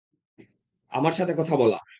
আমার সাথে কথা বলা।